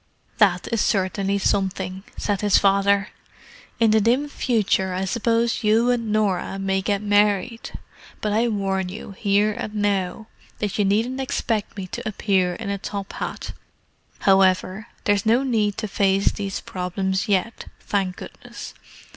"That is certainly something," said his father. "In the dim future I suppose you and Norah may get married; but I warn you here and now that you needn't expect me to appear in a top hat. However, there's no need to face these problems yet, thank goodness.